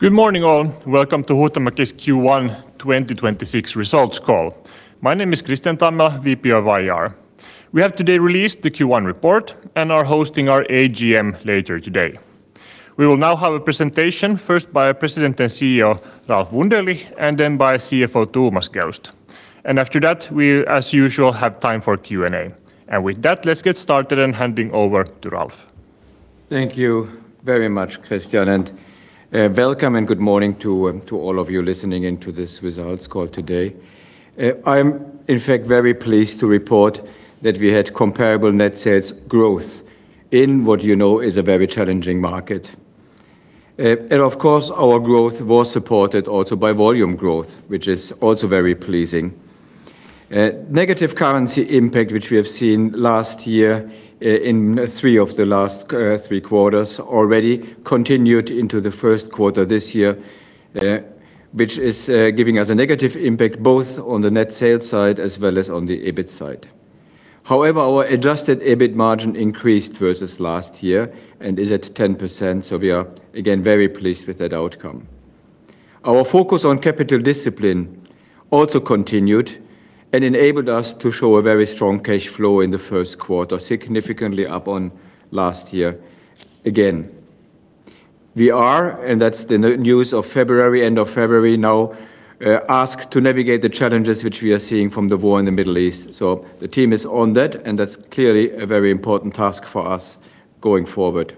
Good morning all. Welcome to Huhtamaki's Q1 2026 results call. My name is Kristian Tammela, VP of IR. We have today released the Q1 report and are hosting our AGM later today. We will now have a presentation, first by our President and CEO, Ralf Wunderlich, and then by CFO Thomas Geust. After that, we as usual, have time for Q&A. With that, let's get started in handing over to Ralf. Thank you very much, Kristian, and welcome and good morning to all of you listening in to this results call today. I am, in fact, very pleased to report that we had comparable net sales growth in what you know is a very challenging market. Of course, our growth was supported also by volume growth, which is also very pleasing. Negative currency impact, which we have seen last year in three of the last three quarters already continued into the first quarter this year, which is giving us a negative impact both on the net sales side as well as on the EBIT side. Our adjusted EBIT margin increased versus last year and is at 10%, so we are again, very pleased with that outcome. Our focus on capital discipline also continued and enabled us to show a very strong cash flow in the first quarter, significantly up on last year again. We are, and that's the news of February, end of February now, asked to navigate the challenges which we are seeing from the war in the Middle East so the team is on that, and that's clearly a very important task for us going forward.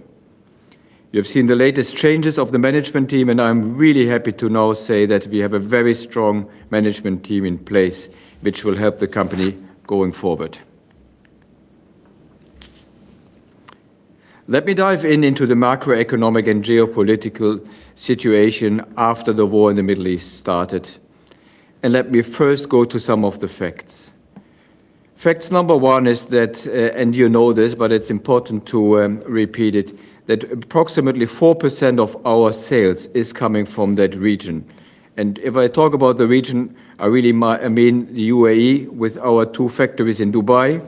You have seen the latest changes of the management team, and I'm really happy to now say that we have a very strong management team in place which will help the company going forward. Let me dive in into the macroeconomic and geopolitical situation after the war in the Middle East started, and let me first go to some of the facts. Facts number one is that, you know this, but it's important to repeat it, that approximately 4% of our sales is coming from that region. If I talk about the region, I really mean the U.A.E. with our two factories in Dubai,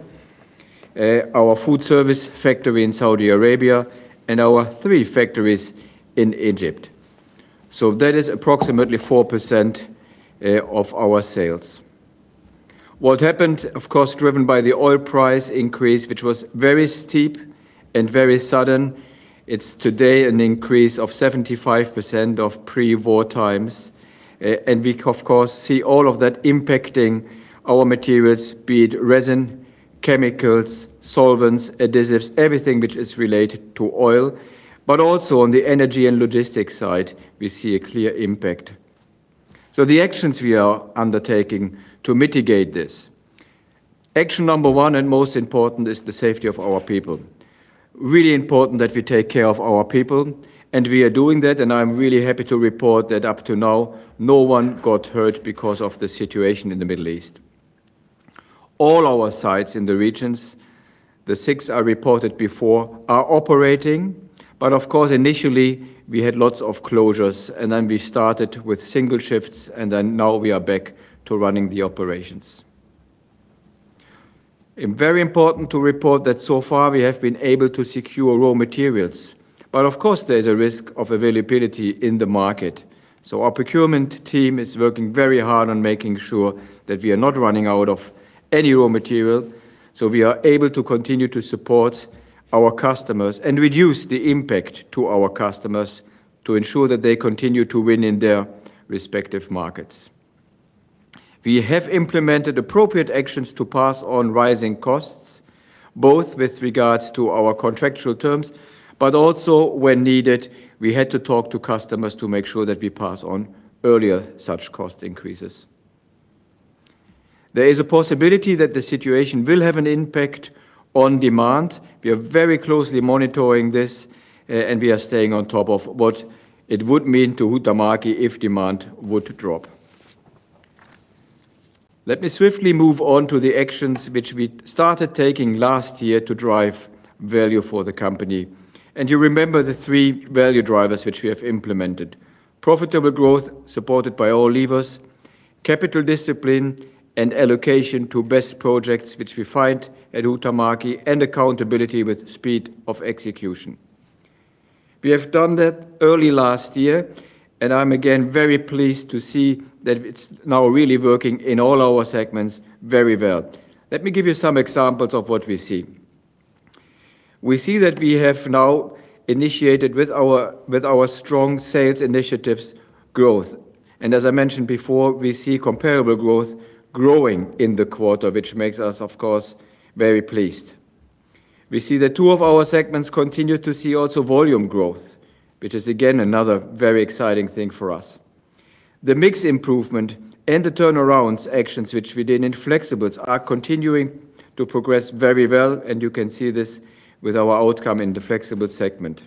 our Foodservice factory in Saudi Arabia, and our three factories in Egypt. That is approximately 4% of our sales. What happened, of course, driven by the oil price increase, which was very steep and very sudden, it's today an increase of 75% of pre-war times and we, of course, see all of that impacting our materials, be it resin, chemicals, solvents, adhesives, everything which is related to oil but also on the energy and logistics side, we see a clear impact. The actions we are undertaking to mitigate this. Action number one and most important is the safety of our people. Really important that we take care of our people, and we are doing that, and I'm really happy to report that up to now, no one got hurt because of the situation in the Middle East. All our sites in the regions, the six I reported before, are operating. Of course, initially, we had lots of closures, and then we started with single shifts, and then now we are back to running the operations and very important to report that so far we have been able to secure raw materials. Of course, there's a risk of availability in the market. Our procurement team is working very hard on making sure that we are not running out of any raw material, so we are able to continue to support our customers and reduce the impact to our customers to ensure that they continue to win in their respective markets. We have implemented appropriate actions to pass on rising costs, both with regards to our contractual terms, but also when needed, we had to talk to customers to make sure that we pass on earlier such cost increases. There is a possibility that the situation will have an impact on demand. We are very closely monitoring this, and we are staying on top of what it would mean to Huhtamaki if demand were to drop. Let me swiftly move on to the actions which we started taking last year to drive value for the company. You remember the three value drivers which we have implemented: profitable growth supported by all levers, capital discipline and allocation to best projects which we find at Huhtamaki, and accountability with speed of execution. We have done that early last year, and I'm again, very pleased to see that it's now really working in all our segments very well. Let me give you some examples of what we see. We see that we have now initiated with our strong sales initiatives growth. As I mentioned before, we see comparable growth growing in the quarter, which makes us, of course, very pleased. We see that two of our segments continue to see also volume growth, which is again, another very exciting thing for us. The mix improvement and the turnarounds actions which we did in Flexibles are continuing to progress very well. You can see this with our outcome in the Flexible segment.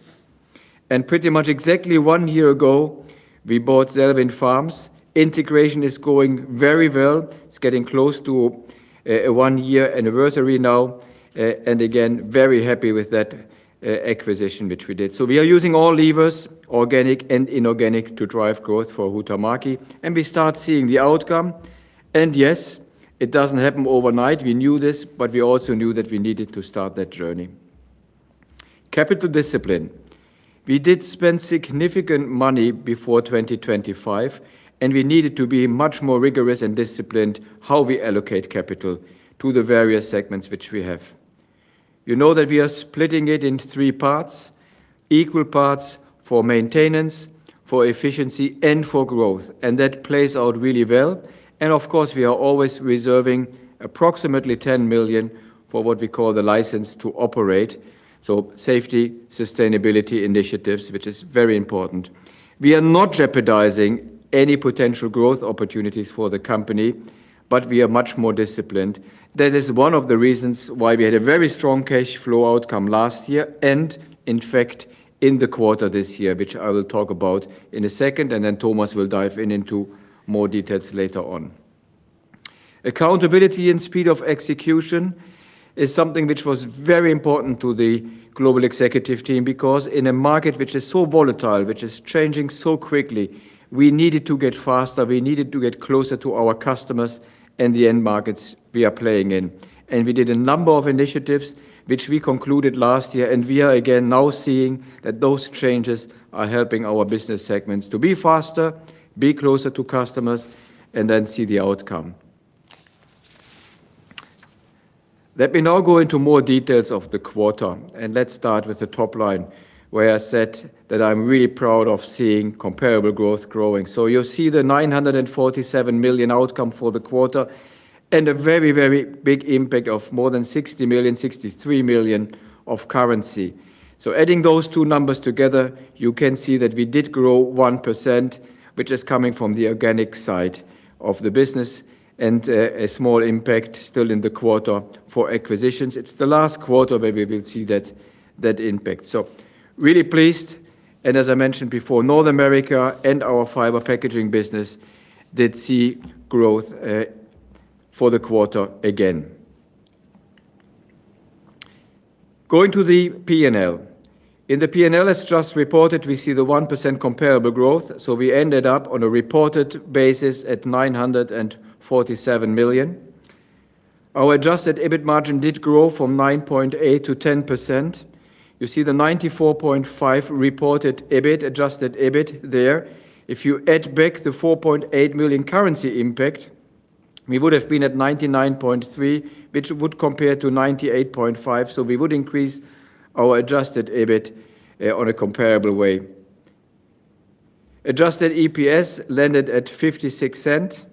Pretty much exactly one year ago, we bought Zellwin Farms. Integration is going very well. It's getting close to a one year anniversary now. Again, very happy with that acquisition which we did. We are using all levers, organic and inorganic, to drive growth for Huhtamaki and we start seeing the outcome and yes, it doesn't happen overnight. We knew this. We also knew that we needed to start that journey. Capital discipline. We did spend significant money before 2025 and we needed to be much more rigorous and disciplined how we allocate capital to the various segments which we have. You know that we are splitting it into three parts, equal parts for maintenance, for efficiency, and for growth, and that plays out really well. Of course, we are always reserving approximately 10 million for what we call the license to operate, so safety, sustainability initiatives, which is very important. We are not jeopardizing any potential growth opportunities for the company, but we are much more disciplined. That is one of the reasons why we had a very strong cash flow outcome last year and, in fact, in the quarter this year, which I will talk about in a second, and then Thomas will dive in into more details later on. Accountability and speed of execution is something which was very important to the global executive team because in a market which is so volatile, which is changing so quickly, we needed to get faster, we needed to get closer to our customers and the end markets we are playing in. We did a number of initiatives which we concluded last year, and we are again now seeing that those changes are helping our business segments to be faster, be closer to customers, and then see the outcome. Let me now go into more details of the quarter and let's start with the top line, where I said that I'm really proud of seeing comparable growth growing. You'll see the 947 million outcome for the quarter and a very, very big impact of more than 60 million, 63 million of currency. Adding those two numbers together, you can see that we did grow 1%, which is coming from the organic side of the business, and a small impact still in the quarter for acquisitions. It's the last quarter where we will see that impact, so really pleased. As I mentioned before, North America and our Fiber Packaging! business did see growth for the quarter again. Going to the P&L. In the P&L, as just reported, we see the 1% comparable growth, so we ended up on a reported basis at 947 million. Our adjusted EBIT margin did grow from 9.8% to 10%. You see the 94.5 reported EBIT, adjusted EBIT there. If you add back the 4.8 million currency impact, we would have been at 99.3, which would compare to 98.5, we would increase our adjusted EBIT on a comparable way. Adjusted EPS landed at 0.56,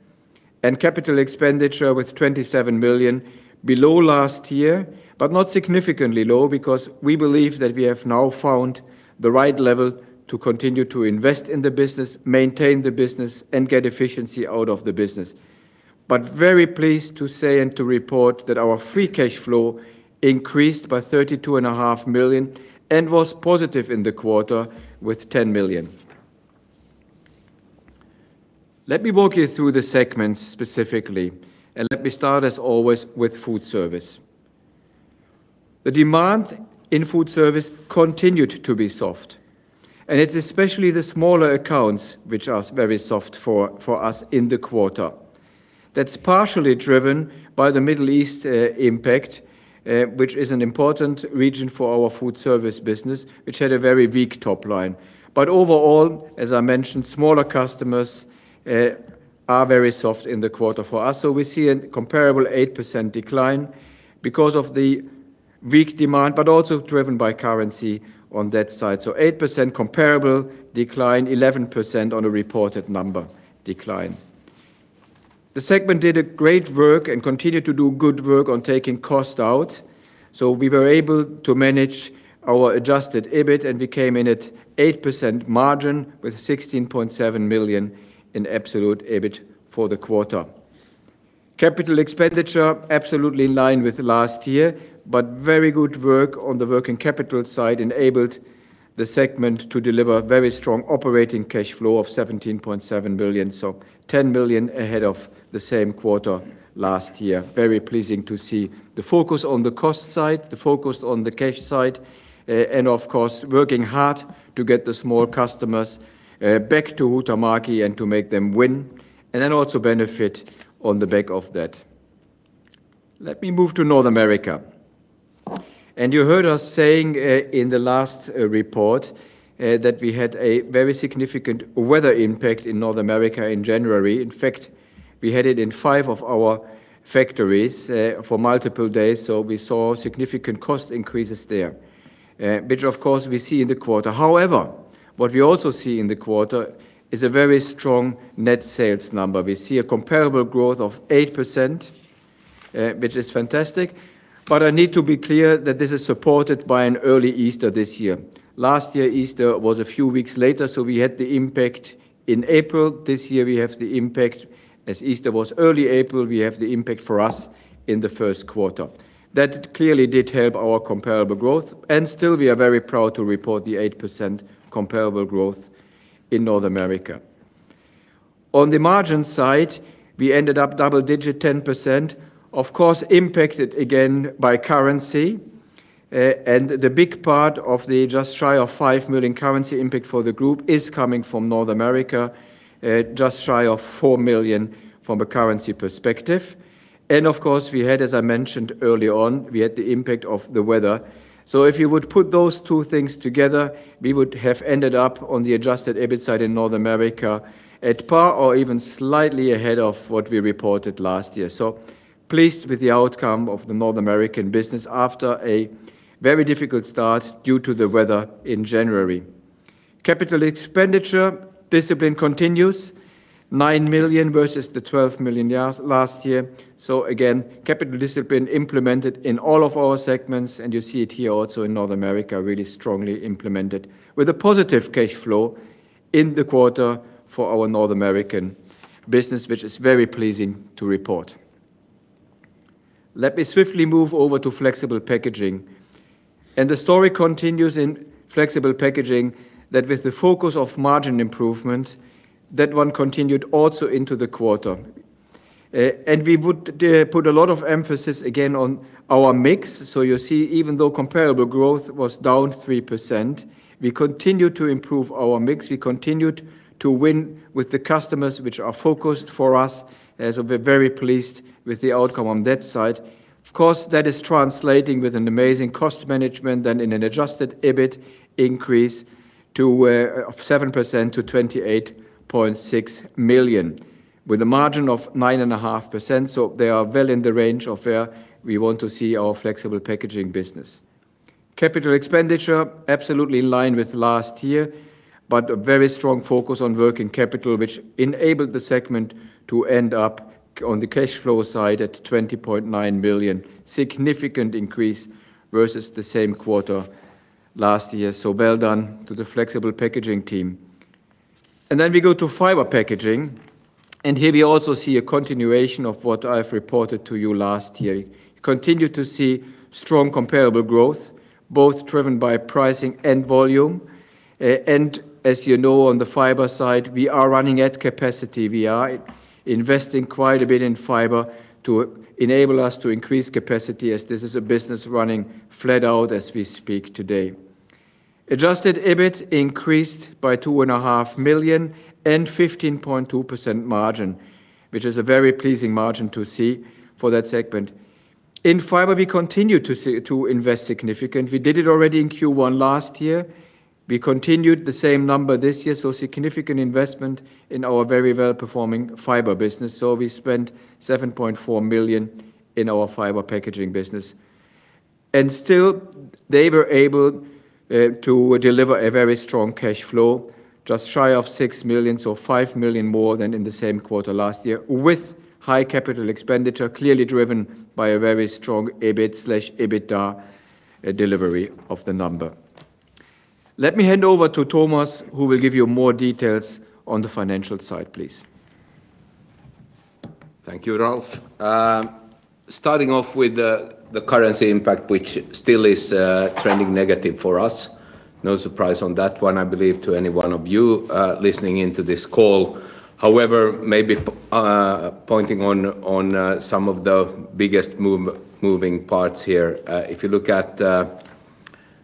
capital expenditure was 27 million, below last year, not significantly low because we believe that we have now found the right level to continue to invest in the business, maintain the business, and get efficiency out of the business. Very pleased to say and to report that our free cash flow increased by 32.5 million and was positive in the quarter with 10 million. Let me walk you through the segments specifically, let me start, as always, with Foodservice. The demand in Foodservice continued to be soft. It's especially the smaller accounts which are very soft for us in the quarter. That's partially driven by the Middle East impact, which is an important region for our Foodservice business, which had a very weak top line. Overall, as I mentioned, smaller customers are very soft in the quarter for us so we see a comparable 8% decline because of the weak demand, but also driven by currency on that side. 8% comparable decline, 11% on a reported number decline. The segment did a great work and continued to do good work on taking cost out, so we were able to manage our adjusted EBIT and we came in at 8% margin with 16.7 million in absolute EBIT for the quarter. Capital expenditure absolutely in line with last year, but very good work on the working capital side enabled the segment to deliver very strong operating cash flow of 17.7 million, so 10 million ahead of the same quarter last year. Very pleasing to see the focus on the cost side, the focus on the cash side, and of course, working hard to get the small customers back to Huhtamaki and to make them win, and then also benefit on the back of that. Let me move to North America. You heard us saying in the last report that we had a very significant weather impact in North America in January. In fact, we had it in five of our factories for multiple days, so we saw significant cost increases there, which of course we see in the quarter however what we also see in the quarter is a very strong net sales number. We see a comparable growth of 8%, which is fantastic but I need to be clear that this is supported by an early Easter this year. Last year, Easter was a few weeks later, so we had the impact in April. This year we have the impact, as Easter was early April, we have the impact for us in the first quarter. That clearly did help our comparable growth and still we are very proud to report the 8% comparable growth in North America. On the margin side, we ended up double digit, 10%, of course, impacted again by currency and the big part of the just shy of 5 million currency impact for the group is coming from North America, just shy of 4 million from a currency perspective, and of course, we had, as I mentioned early on, we had the impact of the weather. If you would put those two things together, we would have ended up on the adjusted EBIT side in North America at par or even slightly ahead of what we reported last year. Pleased with the outcome of the North American business after a very difficult start due to the weather in January. Capital expenditure discipline continues, 9 million versus 12 million last year. Again, capital discipline implemented in all of our segments, and you see it here also in North America, really strongly implemented with a positive cash flow in the quarter for our North American business, which is very pleasing to report. Let me swiftly move over to Flexible Packaging. The story continues in Flexible Packaging that with the focus of margin improvement, that one continued also into the quarter. We would put a lot of emphasis again on our mix. You see, even though comparable growth was down 3%, we continued to improve our mix, we continued to win with the customers which are focused for us, as we are very pleased with the outcome on that side. Of course, that is translating with an amazing cost management and in an adjusted EBIT increase of 7% to 28.6 million, with a margin of 9.5%. They are well in the range of where we want to see our Flexible Packaging business. CapEx absolutely in line with last year but a very strong focus on working capital, which enabled the segment to end up on the cash flow side at 20.9 million, significant increase versus the same quarter last year so well-done to the Flexible Packaging team. We go to Fiber Packaging!, here we also see a continuation of what I've reported to you last year. We continue to see strong comparable growth, both driven by pricing and volume. As you know, on the Fiber side, we are running at capacity. We are investing quite a bit in fiber to enable us to increase capacity as this is a business running flat out as we speak today. Adjusted EBIT increased by 2.5 million and 15.2% margin, which is a very pleasing margin to see for that segment. In Fiber, we continue to invest significant. We did it already in Q1 last year. We continued the same number this year, significant investment in our very Fiber business. We spent 7.4 million in our Fiber Packaging! business. Still, they were able to deliver a very strong cash flow, just shy of 6 million, 5 million more than in the same quarter last year, with high CapEx clearly driven by a very strong EBIT/EBITDA delivery of the number. Let me hand over to Thomas, who will give you more details on the financial side, please. Thank you, Ralf. Starting off with the currency impact, which still is trending negative for us. No surprise on that one, I believe, to any one of you listening into this call however maybe pointing on some of the biggest moving parts here. If you look at the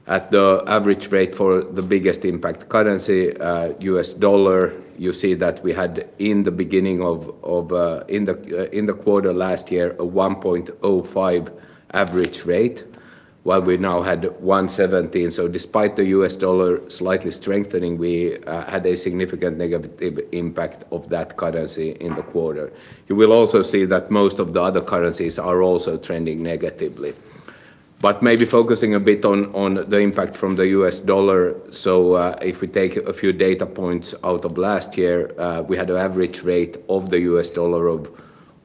average rate for the biggest impact currency, U.S. dollar, you see that we had in the beginning of in the quarter last year, a $1.05 average rate, while we now had $1.17. Despite the U.S. dollar slightly strengthening, we had a significant negative impact of that currency in the quarter. You will also see that most of the other currencies are also trending negatively. Maybe focusing a bit on the impact from the U.S. dollar, so if we take a few data points out of last year, we had an average rate of the U.S. dollar of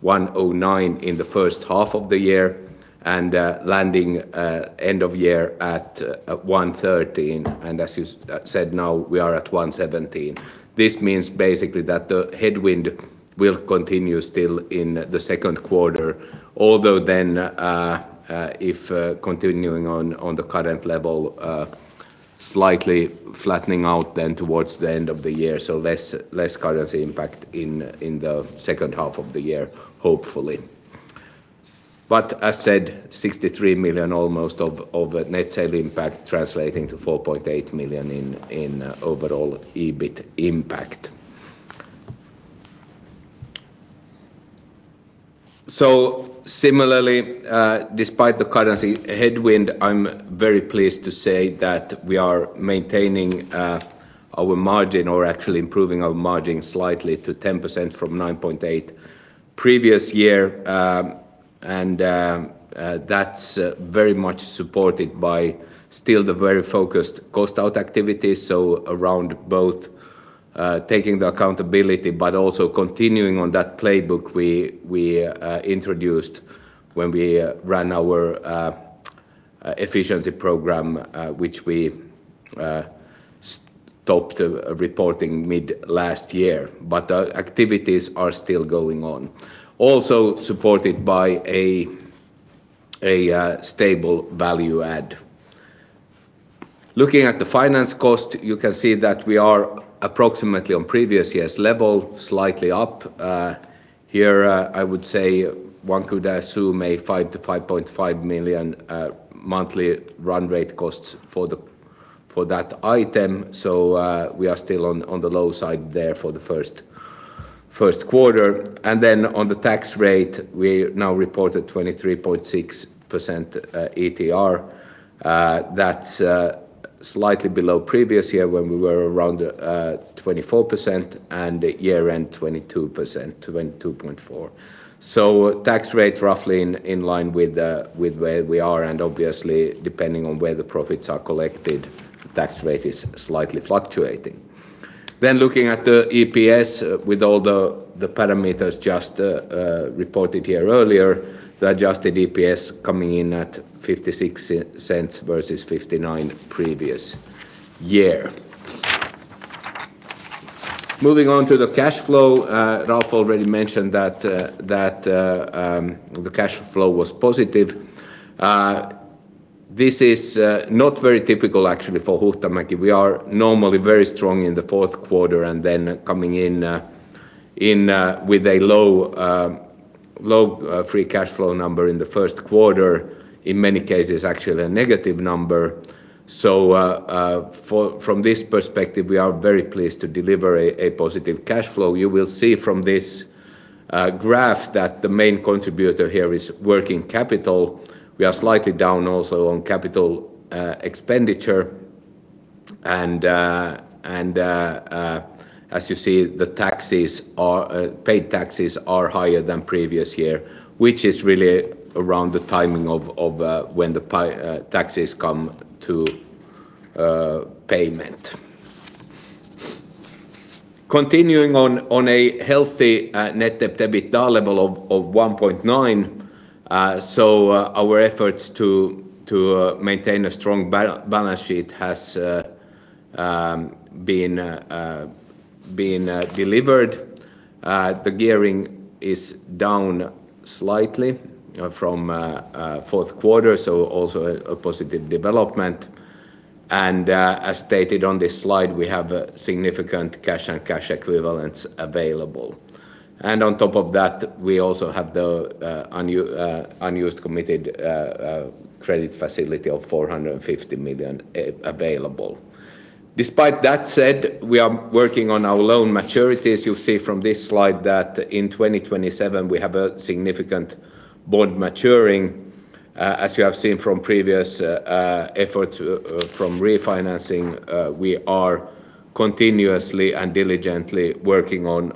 $1.09 in the first half of the year and, landing end of year at $1.13. As you said, now we are at $1.17. This means basically that the headwind will continue still in the second quarter. Although then, if continuing on the current level, slightly flattening out towards the end of the year, so less currency impact in the second half of the year, hopefully. As said, 63 million almost of net sale impact translating to 4.8 million in overall EBIT impact. Similarly, despite the currency headwind, I'm very pleased to say that we are maintaining our margin or actually improving our margin slightly to 10% from 9.8% previous year and that's very much supported by still the very focused cost out activities, so around both taking the accountability, but also continuing on that playbook we introduced when we ran our efficiency program, which we stopped reporting mid last year but activities are still going on. Also supported by a stable value add. Looking at the finance cost, you can see that we are approximately on previous year's level, slightly up. Here, I would say one could assume a 5 million-5.5 million monthly run rate costs for that item. We are still on the low side there for the first quarter ad then on the tax rate, we now reported 23.6% ETR. That's slightly below previous year when we were around 24%, and year-end, 22%, 22.4%. Tax rate roughly in line with where we are, and obviously depending on where the profits are collected, tax rate is slightly fluctuating. Looking at the EPS with all the parameters just reported here earlier, the adjusted EPS coming in at 0.56 versus 0.59 previous year. Moving on to the cash flow, Ralf already mentioned that the cash flow was positive. This is not very typical actually for Huhtamaki. We are normally very strong in the fourth quarter, coming in with a low free cash flow number in the first quarter, in many cases actually a negative number. From this perspective, we are very pleased to deliver a positive cash flow. You will see from this graph that the main contributor here is working capital. We are slightly down also on capital expenditure. As you see, the taxes are paid taxes are higher than previous year, which is really around the timing of when the pay taxes come to payment. Continuing on a healthy net debt to EBITDA level of 1.9x, our efforts to maintain a strong balance sheet has been delivered. The gearing is down slightly from fourth quarter so also a positive development. As stated on this slide, we have a significant cash and cash equivalents available. On top of that, we also have the unused committed credit facility of 450 million available. Despite that said, we are working on our loan maturities. You'll see from this slide that in 2027 we have a significant bond maturing. As you have seen from previous efforts from refinancing, we are continuously and diligently working on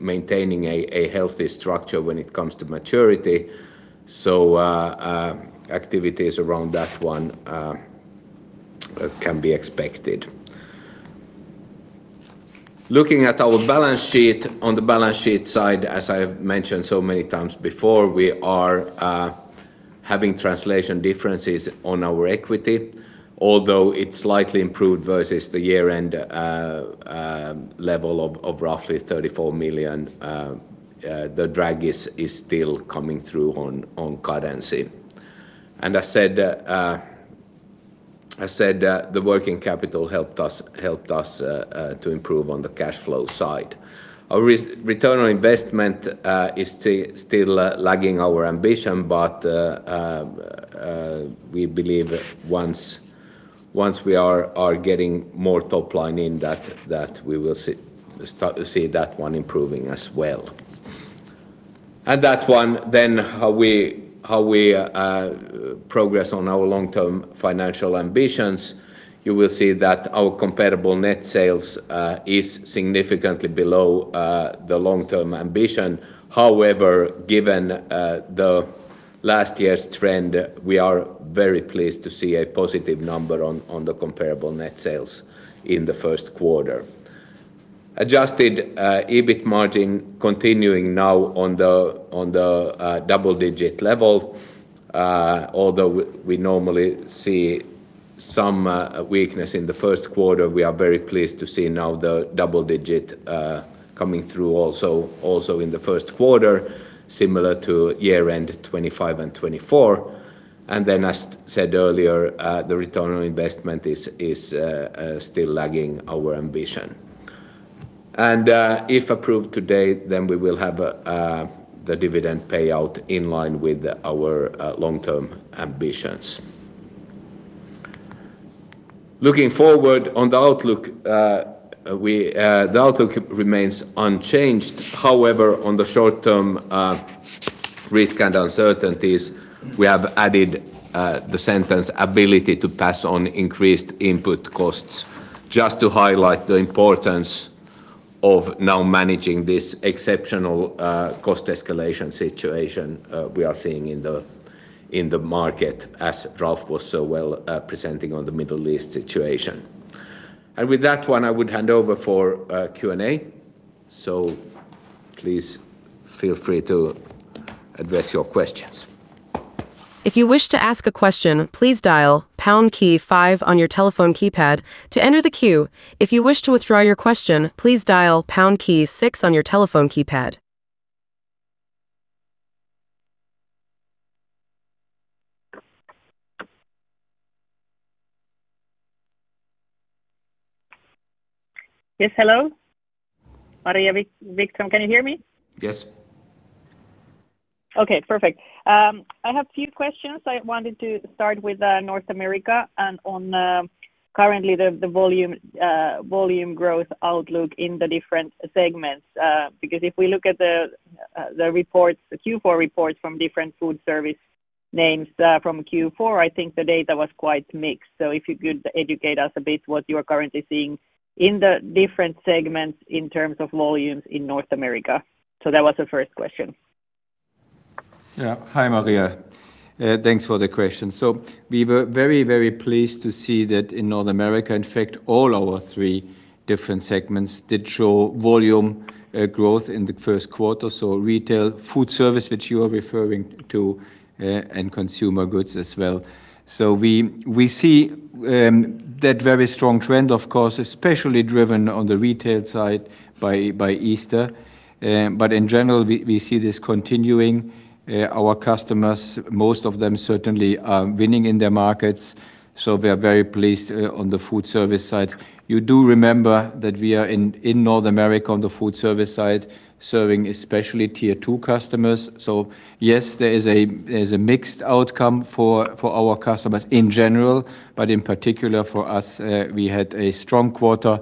maintaining a healthy structure when it comes to maturity so activities around that one can be expected. Looking at our balance sheet, on the balance sheet side, as I have mentioned so many times before, we are having translation differences on our equity. Although it's slightly improved versus the year-end level of roughly 34 million, the drag is still coming through on currency. I said the working capital helped us to improve on the cash flow side. Our return on investment is still lagging our ambition, but we believe once we are getting more top line in that we will start to see that one improving as well. That one then, how we progress on our long-term financial ambitions. You will see that our comparable net sales is significantly below the long-term ambition. However, given the last year's trend, we are very pleased to see a positive number on the comparable net sales in the first quarter. Adjusted EBIT margin continuing now on the double-digit level. Although we normally see some weakness in the first quarter, we are very pleased to see now the double-digit coming through also in the first quarter, similar to year-end 2025 and 2024. As said earlier, the return on investment is still lagging our ambition. If approved today, we will have the dividend payout in line with our long-term ambitions. Looking forward on the outlook, the outlook remains unchanged. However, on the short-term, risk and uncertainties, we have added the sentence "ability to pass on increased input costs" just to highlight the importance of now managing this exceptional cost escalation situation we are seeing in the market, as Ralf was so well presenting on the Middle East situation. With that one, I would hand over for Q&A. Please feel free to address your questions. If you wish to ask a question, please dial pound key five on your telephone keypad to enter the queue. If you wish to withdraw your question, please dial pound key six on your telephone keypad. Yes, hello. Maria Wikstrom, can you hear me? Yes. Okay, perfect. I have a few questions. I wanted to start with North America and on currently the the volume volume growth outlook in the different segments. If we look at the reports, the Q4 reports from different Foodservice names, from Q4, I think the data was quite mixed. If you could educate us a bit what you are currently seeing in the different segments in terms of volumes in North America so that was the first question. Yeah. Hi, Maria. Thanks for the question. We were very pleased to see that in North America, in fact, all our three different segments did show volume growth in the first quarter. Retail, Foodservice, which you are referring to, and consumer goods as well. We see that very strong trend, of course, especially driven on the retail side by Easter but in general, we see this continuing. Our customers, most of them certainly are winning in their markets, so we are very pleased on the Foodservice side. You do remember that we are in North America on the Foodservice side serving especially Tier 2 customers. Yes, there is a mixed outcome for our customers in general. In particular for us, we had a strong quarter,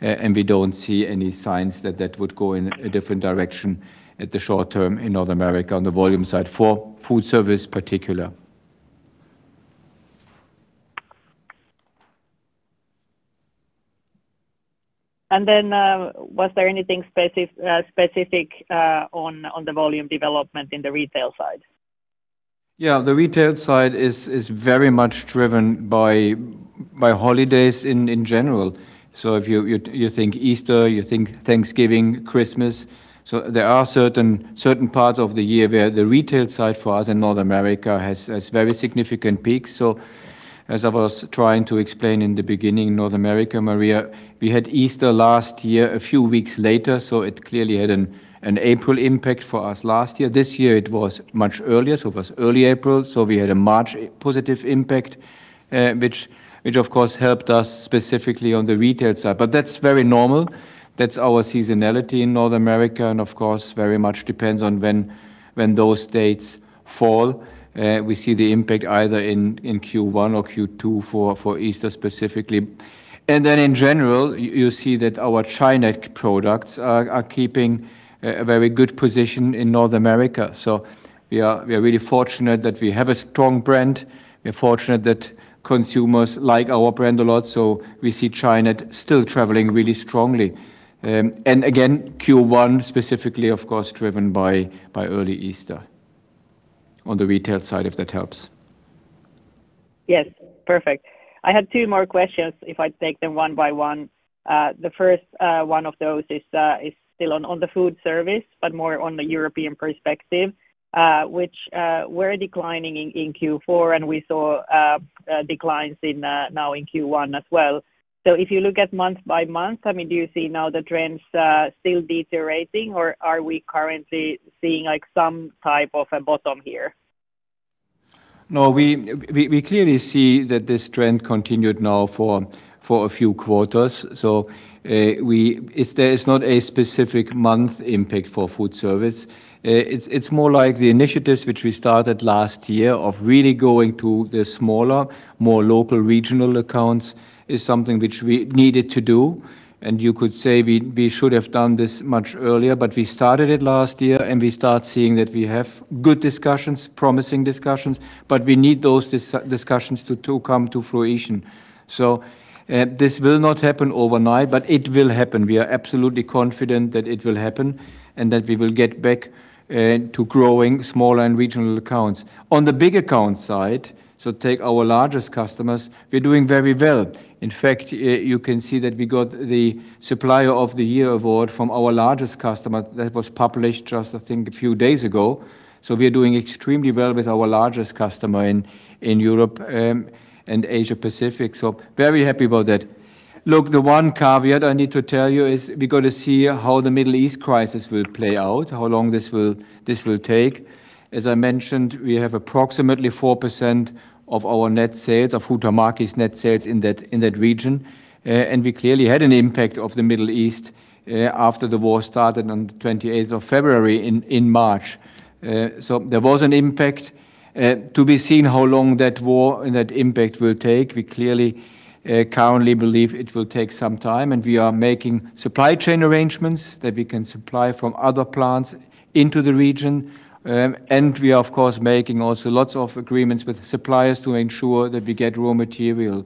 and we don't see any signs that that would go in a different direction at the short term in North America on the volume side for Foodservice particular. Was there anything specific on the volume development in the retail side? Yeah. The retail side is very much driven by holidays in general. If you think Easter, you think Thanksgiving, Christmas. There are certain parts of the year where the retail side for us in North America has very significant peaks. As I was trying to explain in the beginning, North America, Maria, we had Easter last year a few weeks later, so it clearly had an April impact for us last year. This year it was much earlier, so it was early April. We had a March positive impact, which of course helped us specifically on the retail side. That's very normal. That's our seasonality in North America, and of course, very much depends on when those dates fall. We see the impact either in Q1 or Q2 for Easter specifically. In general, you see that our Chinet products are keeping a very good position in North America. We are really fortunate that we have a strong brand. We're fortunate that consumers like our brand a lot. We see Chinet still traveling really strongly. Again, Q1 specifically of course driven by early Easter on the retail side, if that helps. Yes. Perfect. I had two more questions if I take them one by one. The first one of those is still on the Foodservice, but more on the European perspective, which were declining in Q4, and we saw declines in now in Q1 as well. If you look at month by month, I mean, do you see now the trends still deteriorating, or are we currently seeing like some type of a bottom here? No, we clearly see that this trend continued now for a few quarters. If there is not a specific month impact for Foodservice, it's more like the initiatives which we started last year of really going to the smaller, more local regional accounts is something which we needed to do. You could say we should have done this much earlier, but we started it last year and we start seeing that we have good discussions, promising discussions, but we need those discussions to come to fruition. This will not happen overnight, but it will happen. We are absolutely confident that it will happen, and that we will get back to growing smaller and regional accounts. On the big account side, so take our largest customers, we're doing very well. In fact, you can see that we got the Supplier of the Year award from our largest customer. That was published just I think a few days ago. We are doing extremely well with our largest customer in Europe, and Asia Pacific, so very happy about that. Look, the one caveat I need to tell you is we gotta see how the Middle East crisis will play out, how long this will take. As I mentioned, we have approximately 4% of our net sales, of Huhtamaki's net sales in that, in that region. We clearly had an impact of the Middle East, after the war started on 28th of February in March. There was an impact. To be seen how long that war and that impact will take. We clearly currently believe it will take some time, and we are making supply chain arrangements that we can supply from other plants into the region. We are of course making also lots of agreements with suppliers to ensure that we get raw material.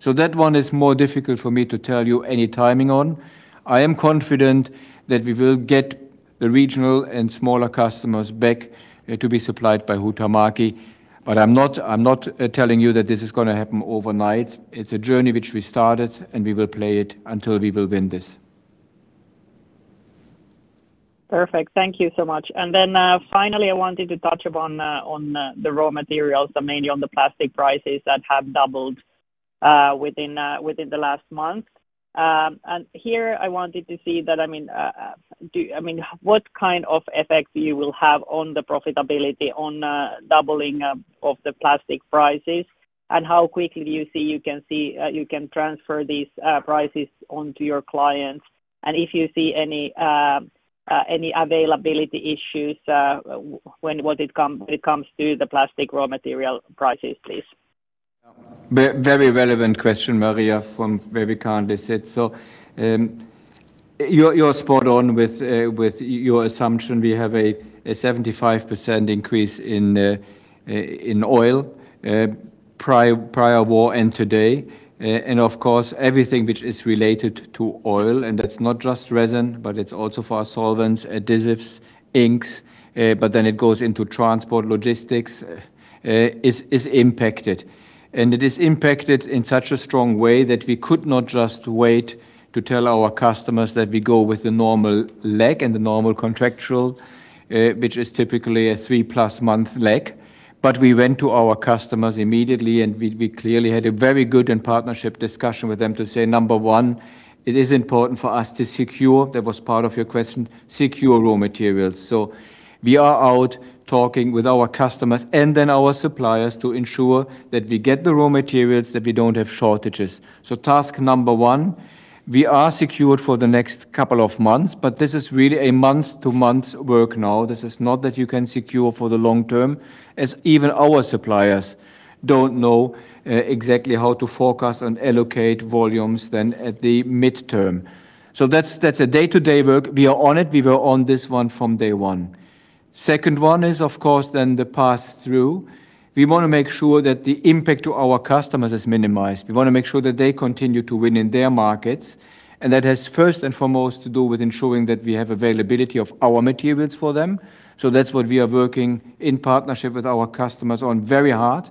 That one is more difficult for me to tell you any timing on. I am confident that we will get the regional and smaller customers back to be supplied by Huhtamaki, but I'm not telling you that this is going to happen overnight. It's a journey which we started, and we will play it until we will win this. Perfect. Thank you so much. Finally, I wanted to touch upon on the raw materials, so mainly on the plastic prices that have doubled within the last month. I wanted to see that, I mean, what kind of effect you will have on the profitability on doubling of the plastic prices? How quickly do you see you can transfer these prices onto your clients? If you see any availability issues when it comes to the plastic raw material prices, please. Very relevant question, Maria, from very kindly said. You're spot on with your assumption. We have a 75% increase in oil prior war and today. Of course, everything which is related to oil, and that's not just resin, but it's also for our solvents, adhesives, inks, but then it goes into transport, logistics, is impacted. It is impacted in such a strong way that we could not just wait to tell our customers that we go with the normal lag and the normal contractual, which is typically a 3+ month lag. We went to our customers immediately, and we clearly had a very good and partnership discussion with them to say, number one, it is important for us to secure, that was part of your question, secure raw materials. We are out talking with our customers and our suppliers to ensure that we get the raw materials, that we don't have shortages. Task number one, we are secured for the next couple of months, but this is really a month-to-month work now. This is not that you can secure for the long term, as even our suppliers don't know exactly how to forecast and allocate volumes than at the midterm. That's, that's a day-to-day work. We are on it. We were on this one from day one. Second one is, of course, then the pass-through. We wanna make sure that the impact to our customers is minimized. We wanna make sure that they continue to win in their markets and that has first and foremost to do with ensuring that we have availability of our materials for them so that's what we are working in partnership with our customers on very hard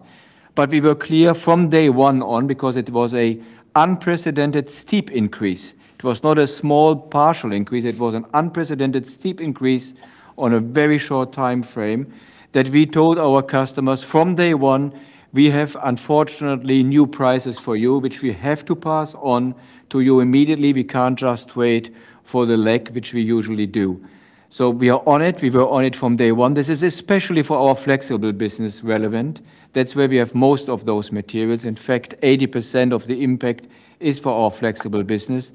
but we were clear from day one on because it was an unprecedented steep increase. It was not a small partial increase. It was an unprecedented steep increase on a very short timeframe that we told our customers from day one, "We have, unfortunately, new prices for you, which we have to pass on to you immediately. We can't just wait for the lag, which we usually do." We are on it. We were on it from day one. This is especially for our Flexible business relevant. That's where we have most of those materials. In fact, 80% of the impact is for our Flexible business.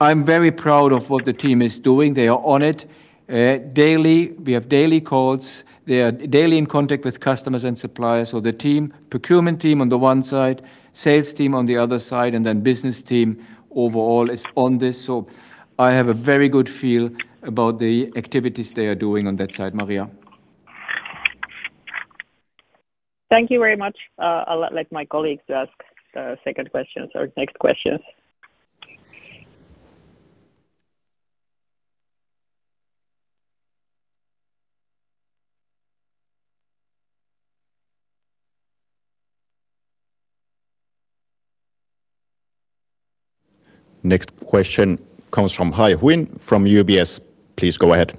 I'm very proud of what the team is doing. They are on it daily. We have daily calls. They are daily in contact with customers and suppliers. The team, procurement team on the one side, sales team on the other side, business team overall is on this. I have a very good feel about the activities they are doing on that side, Maria. Thank you very much. I'll let my colleagues ask second questions or next questions. Next question comes from Hai Huynh from UBS. Please go ahead.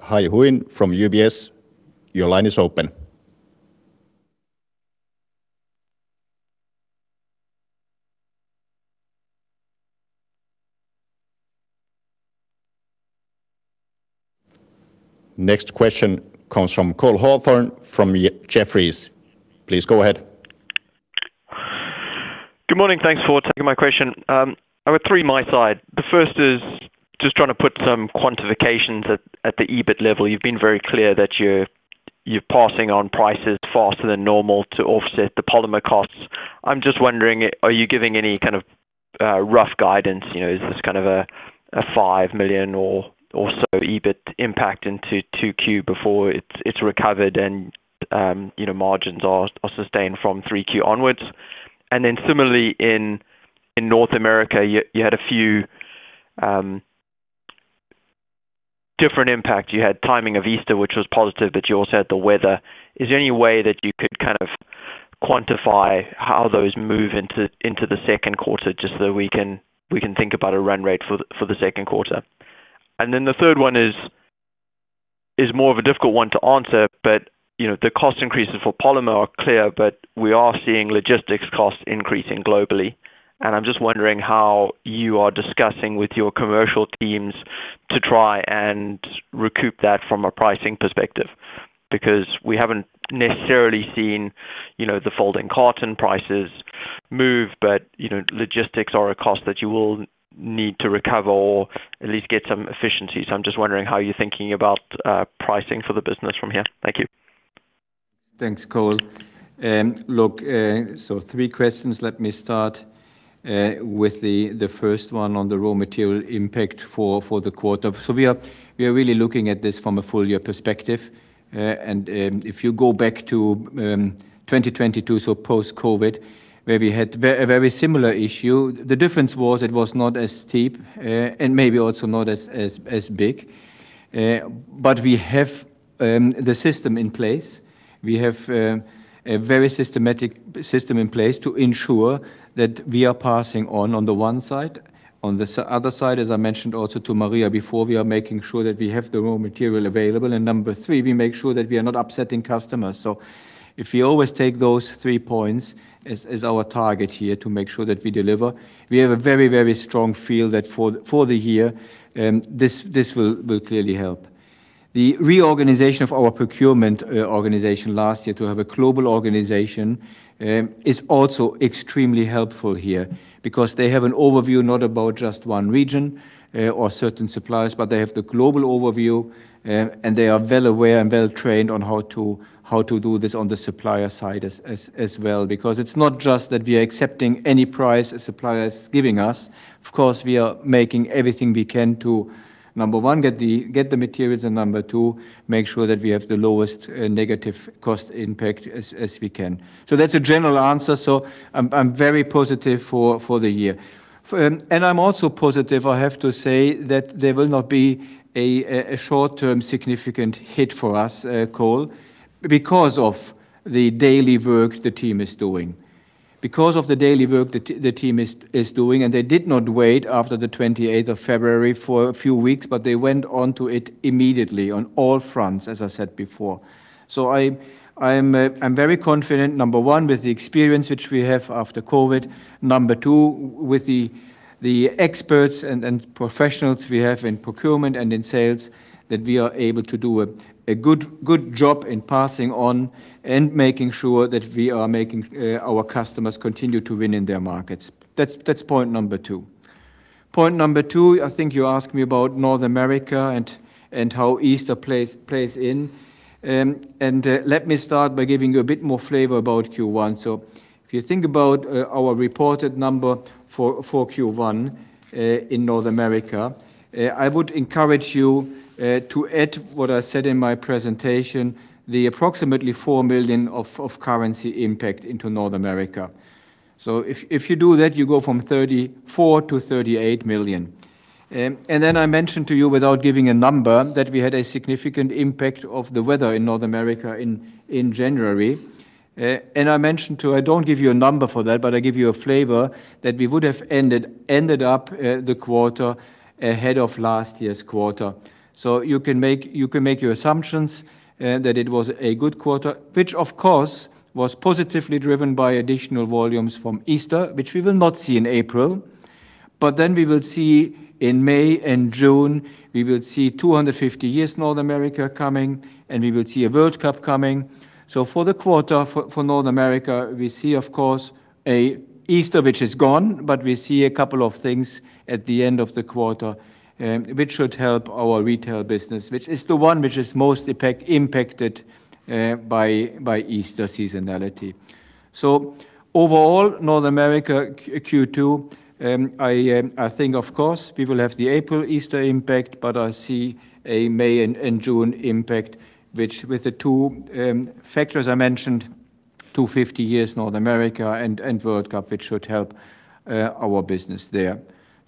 Hai Huynh from UBS, your line is open. Next question comes from Cole Hathorn from Jefferies. Please go ahead. Good morning. Thanks for taking my question. I have three my side. The first is just trying to put some quantifications at the EBIT level. You've been very clear that you're passing on prices faster than normal to offset the polymer costs. I'm just wondering, are you giving any kind of rough guidance? You know, is this kind of a 5 million or so EBIT impact into 2Q before it's recovered and, you know, margins are sustained from 3Q onwards? Then similarly in North America, you had a few different impact. You had timing of Easter, which was positive, but you also had the weather. Is there any way that you could kind of quantify how those move into the second quarter just so we can think about a run rate for the second quarter? The third one is more of a difficult one to answer, you know, the cost increases for polymer are clear but we are seeing logistics costs increasing globally. I'm just wondering how you are discussing with your commercial teams to try and recoup that from a pricing perspective. We haven't necessarily seen, you know, the folding carton prices move, you know, logistics are a cost that you will need to recover or at least get some efficiencies. I'm just wondering how you're thinking about pricing for the business from here. Thank you. Thanks, Cole. Three questions. Let me start with the first one on the raw material impact for the quarter. We are really looking at this from a full year perspective. If you go back to 2022, so post-COVID, where we had a very similar issue, the difference was it was not as steep, and maybe also not as big. We have the system in place, we have a very systematic system in place to ensure that we are passing on the one side. On the other side, as I mentioned also to Maria before, we are making sure that we have the raw material available. Number three, we make sure that we are not upsetting customers. If you always take those three points as our target here to make sure that we deliver, we have a very strong feel that for the year, this will clearly help. The reorganization of our procurement organization last year to have a global organization is also extremely helpful here because they have an overview not about just one region or certain suppliers, but they have the global overview, and they are well aware and well trained on how to do this on the supplier side as well because it's not just that we are accepting any price a supplier is giving us. Of course, we are making everything we can to, number one, get the materials and, number two, make sure that we have the lowest negative cost impact as we can. That's a general answer, so I'm very positive for the year. I'm also positive, I have to say, that there will not be a short-term significant hit for us, Cole, because of the daily work the team is doing. Because of the daily work the team is doing, they did not wait after the 28th of February for a few weeks, they went onto it immediately on all fronts, as I said before. I am very confident, number one, with the experience which we have after COVID. Number two, with the experts and professionals we have in procurement and in sales, that we are able to do a good job in passing on and making sure that we are making our customers continue to win in their markets. That's point number two. Point number two, I think you asked me about North America and how Easter plays in and let me start by giving you a bit more flavor about Q1. If you think about our reported number for Q1 in North America, I would encourage you to add what I said in my presentation, the approximately 4 million of currency impact into North America. If you do that, you go from 34 million to 38 million. I mentioned to you without giving a number that we had a significant impact of the weather in North America in January. I mentioned, too, I don't give you a number for that, but I give you a flavor that we would have ended up the quarter ahead of last year's quarter. You can make your assumptions that it was a good quarter, which of course was positively driven by additional volumes from Easter, which we will not see in April. We will see in May and June, we will see 250 years North America coming, and we will see a World Cup coming. For the quarter for North America, we see, of course, Easter, which is gone, but we see a couple of things at the end of the quarter which should help our retail business, which is the one which is most impacted by Easter seasonality. Overall, North America Q2, I think of course we will have the April Easter impact, but I see a May and June impact, which with the two factors I mentioned, 250th anniversary North America and World Cup, it should help our business there.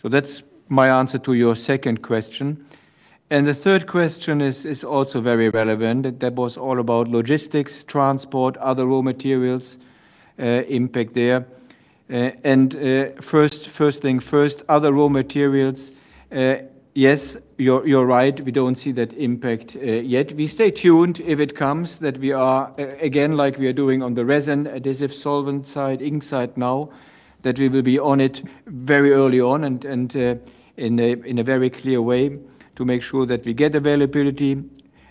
That's my answer to your second question. The third question is also very relevant. That was all about logistics, transport, other raw materials, impact there. First thing first, other raw materials, yes, you're right. We don't see that impact yet. We stay tuned if it comes that we are again, like we are doing on the resin adhesive solvent side, ink side now, that we will be on it very early on and in a very clear way to make sure that we get availability,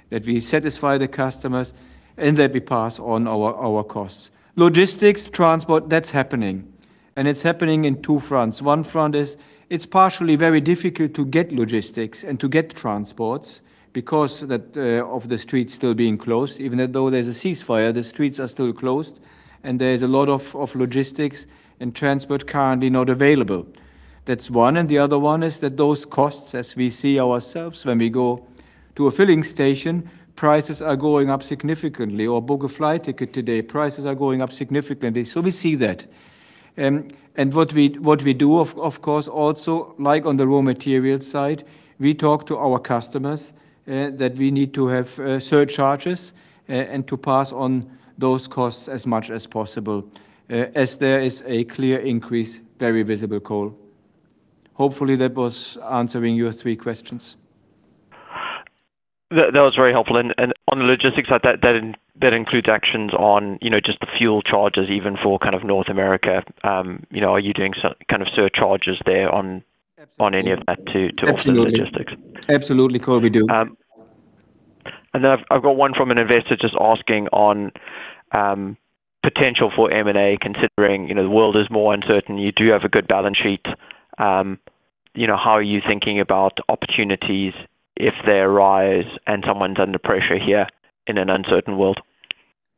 that we satisfy the customers, and that we pass on our costs. Logistics, transport, that's happening, and it's happening in two fronts. One front is it's partially very difficult to get logistics and to get transports because that of the streets still being closed. Even though there's a ceasefire, the streets are still closed, and there's a lot of logistics and transport currently not available. That's one, and the other one is that those costs, as we see ourselves when we go to a filling station, prices are going up significantly, or book a flight ticket today, prices are going up significantly so we see that. What we, what we do of course, also, like on the raw material side, we talk to our customers, that we need to have, surcharges, and to pass on those costs as much as possible, as there is a clear increase, very visible, Cole. Hopefully that was answering your three questions. That was very helpful. On the logistics side, that includes actions on, you know, just the fuel charges even for kind of North America. You know, are you doing kind of surcharges there on? Absolutely. On any of that to offset. Absolutely. The logistics? Absolutely, Cole, we do. I've got one from an investor just asking on potential for M&A, considering, you know, the world is more uncertain. You do have a good balance sheet. You know, how are you thinking about opportunities if they arise and someone's under pressure here in an uncertain world?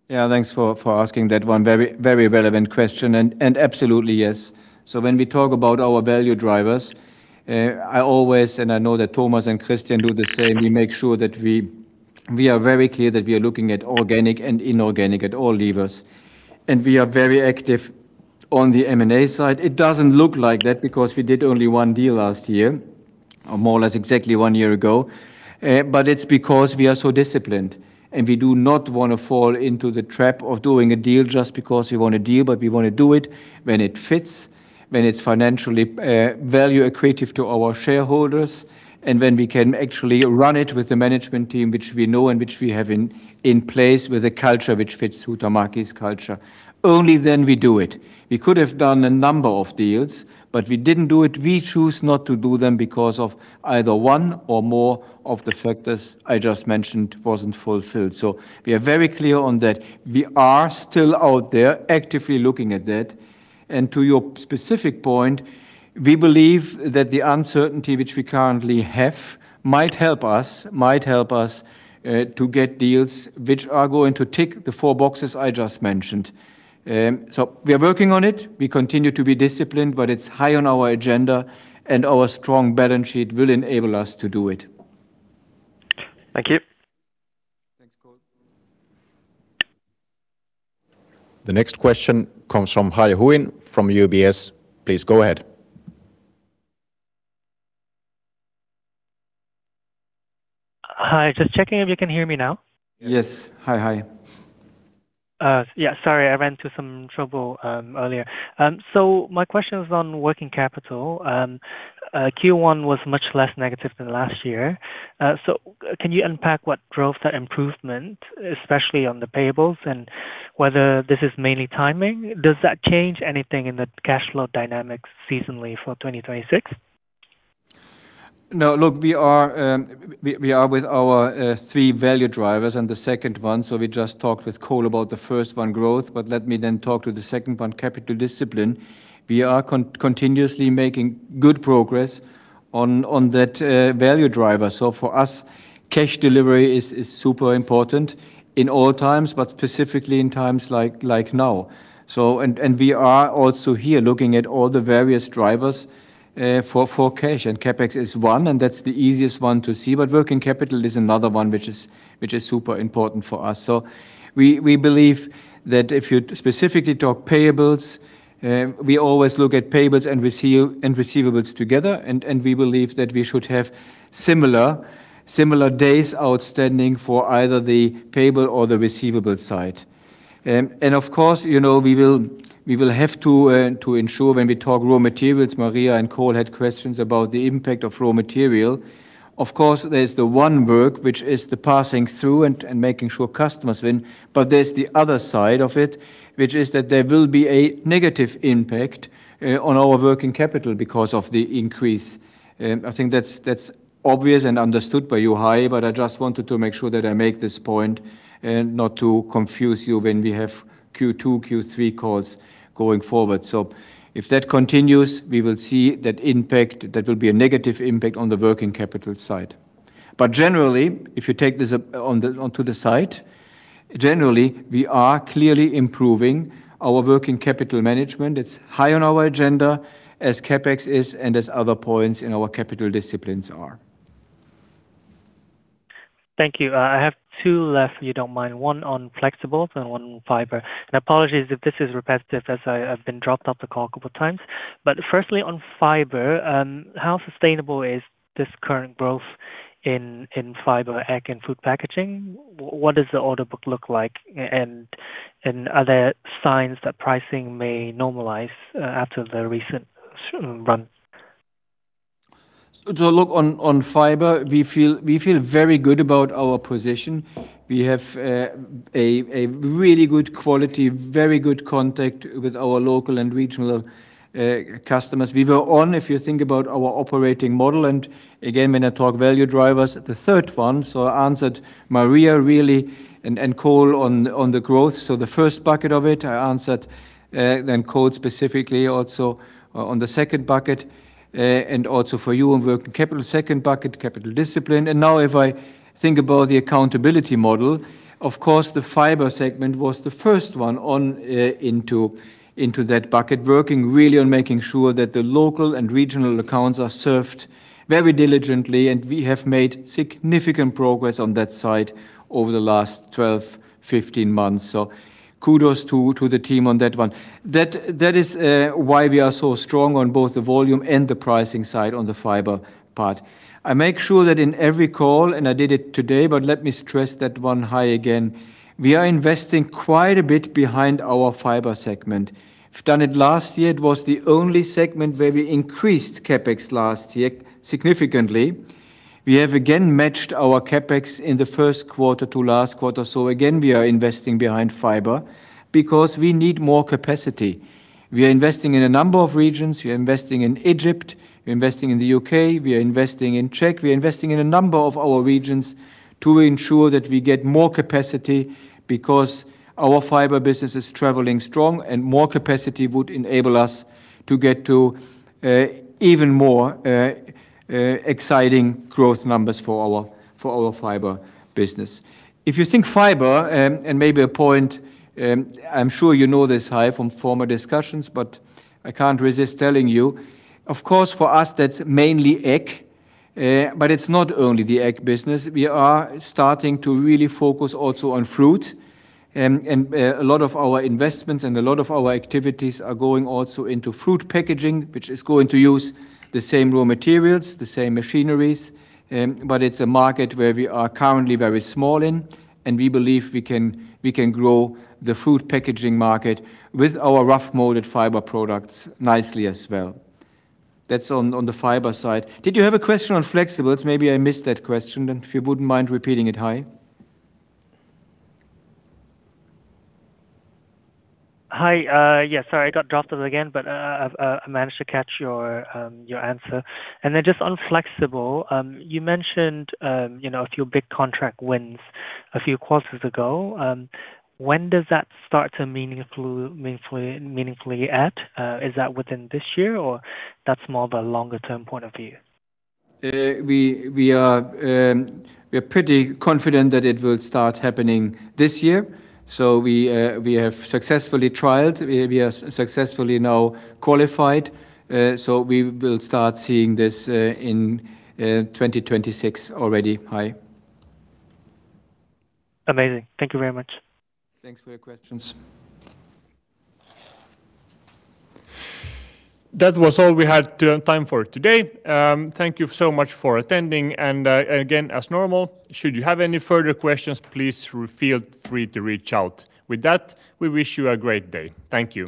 Thanks for asking that one. Very relevant question and absolutely, yes. When we talk about our value drivers, I always, and I know that Thomas and Kristian do the same, we make sure that we are very clear that we are looking at organic and inorganic at all levers, and we are very active on the M&A side, it doesn't look like that because we did only one deal last year, or more or less exactly one year ago and it's because we are so disciplined, and we do not wanna fall into the trap of doing a deal just because we want a deal, but we wanna do it when it fits, when it's financially, value accretive to our shareholders, and when we can actually run it with the management team which we know and which we have in place with a culture which fits Huhtamaki's culture. Only then we do it. We could have done a number of deals, but we didn't do it. We chose not to do them because of either one or more of the factors I just mentioned wasn't fulfilled. We are very clear on that. We are still out there actively looking at that. To your specific point, we believe that the uncertainty which we currently have might help us to get deals which are going to tick the four boxes I just mentioned. We are working on it. We continue to be disciplined, but it's high on our agenda, and our strong balance sheet will enable us to do it. Thank you. The next question comes from Hai Huynh from UBS. Please go ahead. Hi, just checking if you can hear me now. Yes. Hi, Hai. Yeah, sorry I ran into some trouble earlier. My question was on working capital. Q1 was much less negative than last year. Can you unpack what drove that improvement, especially on the payables, and whether this is mainly timing? Does that change anything in the cash flow dynamics seasonally for 2026? No, look, we are with our three value drivers and the second one. We just talked with Cole about the first one, growth. Let me talk to the second one, capital discipline. We are continuously making good progress on that value driver. For us, cash delivery is super important in all times, but specifically in times like now. We are also here looking at all the various drivers for cash. CapEx is one. That's the easiest one to see. Working capital is another one which is super important for us. We believe that if you specifically talk payables, we always look at payables and receivables together and we believe that we should have similar days outstanding for either the payable or the receivable side. Of course, you know, we will have to ensure when we talk raw materials, Maria and Cole had questions about the impact of raw material. Of course, there's the one work which is the passing through and making sure customers win. There's the other side of it, which is that there will be a negative impact on our working capital because of the increase. I think that's obvious and understood by you, Hai, but I just wanted to make sure that I make this point not to confuse you when we have Q2, Q3 calls going forward. If that continues, we will see that impact. That will be a negative impact on the working capital side. Generally, if you take this on the side, generally, we are clearly improving our working capital management. It's high on our agenda as CapEx is and as other points in our capital disciplines are. Thank you. I have two left, if you don't mind. One on Flexible and one on Fiber. Apologies if this is repetitive, as I have been dropped off the call a couple times. Firstly, on Fiber, how sustainable is this current growth in fiber egg and food packaging? What does the order book look like? And are there signs that pricing may normalize after the recent run? Look, on Fiber, we feel very good about our position. We have a really good quality, very good contact with our local and regional customers. We were on, if you think about our operating model, again, when I talk value drivers, the third one, I answered Maria really, and Cole on the growth. The first bucket of it, I answered, and Cole specifically also on the second bucket. Also for you on working capital, second bucket, capital discipline. Now if I think about the accountability model, of course, the Fiber segment was the first one on into that bucket, working really on making sure that the local and regional accounts are served very diligently and we have made significant progress on that side over the last 12, 15 months so kudos to the team on that one. That is why we are so strong on both the volume and the pricing side on Fiber part. I make sure that in every call, I did it today, let me stress that one, Hai, again. We are investing quite a bit behind Fiber segment. We've done it last year. It was the only segment where we increased CapEx last year significantly. We have again matched our CapEx in the first quarter to last quarter. Again, we are investing Fiber because we need more capacity. We are investing in a number of regions. We are investing in Egypt. We're investing in the U.K. We are investing in Czech. We are investing in a number of our regions to ensure that we get more capacity because our Fiber business is traveling strong. More capacity would enable us to get to even more exciting growth numbers for our Fiber business. If you think Fiber and maybe a point, I'm sure you know this, Hai, from former discussions, I can't resist telling you. Of course, for us, that's mainly egg, but it's not only the egg business. We are starting to really focus also on fruit. A lot of our investments and a lot of our activities are going also into fruit packaging, which is going to use the same raw materials, the same machineries but it's a market where we are currently very small in, and we believe we can grow the food packaging market with our rough molded fiber products nicely as well. That's on the Fiber side. Did you have a question on Flexibles? Maybe I missed that question. If you wouldn't mind repeating it, Hai. Hai. Yeah, sorry I got dropped off again, but I've managed to catch your answer. Just on Flexible, you mentioned, you know, a few big contract wins a few quarters ago. When does that start to meaningfully add? Is that within this year or that's more of a longer term point of view? We are pretty confident that it will start happening this year. We have successfully trialed, we have successfully now qualified, so we will start seeing this in 2026 already, Hai. Amazing. Thank you very much. Thanks for your questions. That was all we had time for today. Thank you so much for attending. Again, as normal, should you have any further questions, please feel free to reach out. With that, we wish you a great day. Thank you.